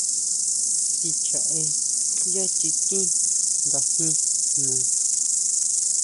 Tʼín chjaʼé yá chikín ngajín jno.